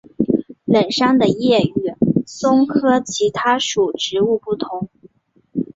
冷杉的叶与松科其他属植物不同。